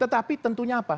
tetapi tentunya apa